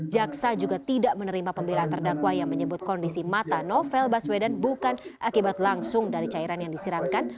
jaksa juga tidak menerima pembelaan terdakwa yang menyebut kondisi mata novel baswedan bukan akibat langsung dari cairan yang disiramkan